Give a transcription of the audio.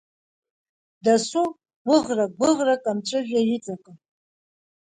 Дасу, гәыӷрак-гәыӷрак амҵәыжәҩа иҵакын.